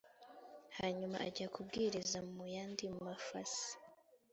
hanyuma ajya kubwiriza mu yandi mafasi